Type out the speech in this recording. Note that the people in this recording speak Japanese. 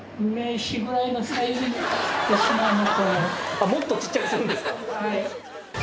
あっもっとちっちゃくするんですか？